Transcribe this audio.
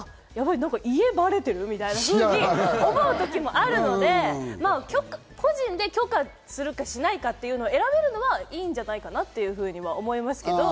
家バレてるみたいなふうに思う時もあるので、個人で許可するかしないか選べるのはいいんじゃないかなというふうに思いますけど。